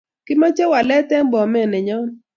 kimache walet en bomet nenyon